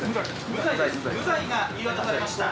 無罪です無罪が言い渡されました。